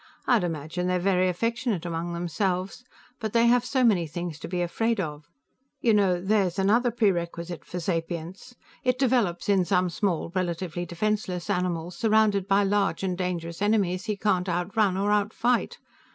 "I'd imagine they're very affectionate among themselves, but they have so many things to be afraid of. You know, there's another prerequisite for sapience. It develops in some small, relatively defenseless, animal surrounded by large and dangerous enemies he can't outrun or outfight.